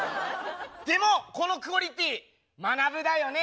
でもこのクオリティーまなぶだよね。